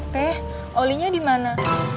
teh olinya dimana